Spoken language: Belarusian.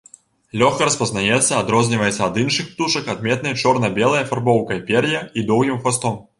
Лёгка распазнаецца, адрозніваецца ад іншых птушак адметнай чорна-белай афарбоўкай пер'я і доўгім хвастом.